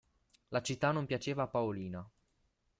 La città non piaceva a Paolina.